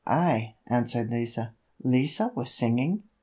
"I," answered Lise. Lise was singing!